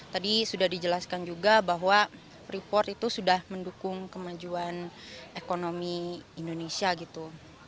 tadi sudah dijelaskan juga bahwa freeport itu sudah mendukung kemajuan ekonomi indonesia gitu